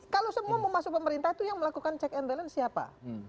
kalau semua mau masuk pemerintah itu yang melakukan check and balance siapa